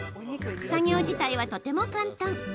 作業自体はとても簡単。